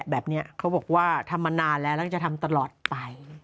แบบนี้เขาบอกว่าทำมานานแล้วแล้วก็จะทำตลอดไป